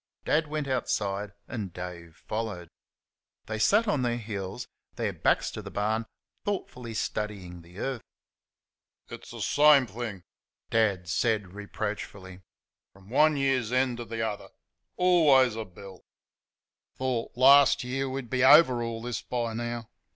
Dad went outside and Dave followed. They sat on their heels, their backs to the barn, thoughtfully studying the earth. "It's the same thing" Dad said, reproachfully "from one year's end to the other...alwuz a BILL!" "Thought last year we'd be over all this by now!"